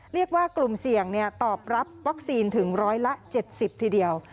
เรียกว่ากลุ่มเสี่ยงตอบรับวัคซีนถึงร้อยละ๗๐ทีเดียว